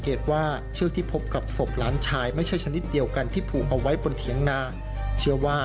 การนี้ผิดปกติแล้ว